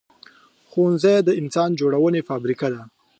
ښوونځی د انسان جوړونې فابریکه ده